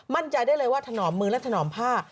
มั่นใจได้เลยว่าถนอมมือและถนอมผ้า